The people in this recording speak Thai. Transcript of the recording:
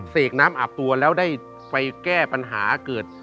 เสกน้ำอาบตัวแล้วได้ไปแก้ปัญหาเกิด